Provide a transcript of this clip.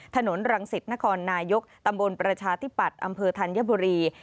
ถนนรังสิตนครนายกตำบลประชาธิปัตย์อำเภอธัญบุรี